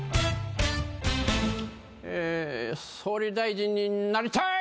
え総理大臣になりたい！